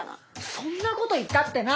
そんなこと言ったってな！